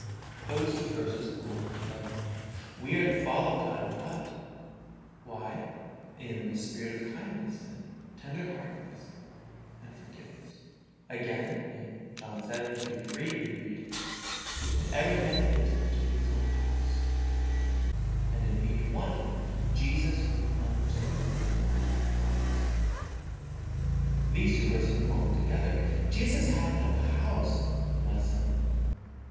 Those two verses belong together. We are to follow God in what ? Why in the spirit of kindness and tender hearted ness and forgiveness. Again, in John vii. 53, we read, "And every man went unto his own house," and in viii. i, "Jesus went unto the Mount of Olives." These two verses belong together. Jesus had no house. Bless Him